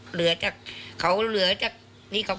เผื่อเขายังไม่ได้งาน